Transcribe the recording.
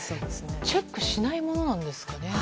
チェックしないものなんですかね。